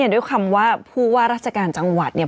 ดูคำว่าพูดราชการจังหวัดเนี่ย